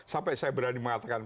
sampai saya berani mengatakan